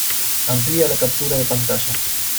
Amplía la captura de pantalla.